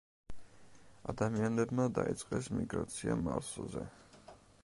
ადამიანებმა დაიწყეს მიგრაცია მარსზე.